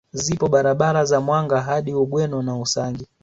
Zipo barabara za Mwanga hadi Ugweno na Usangi